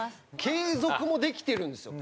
継続もできてるんですよ。